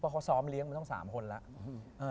พวกเขาส้อมเลี้ยงมาตั้งสามคนแล้ว